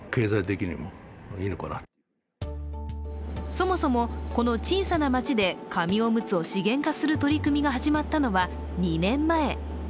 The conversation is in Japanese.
そもそも、この小さな町で紙おむつを資源化する取り組みが始まったのは２年前。